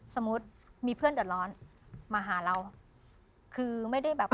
สมมุติมีเพื่อนเดิศร้อนมาหาเรา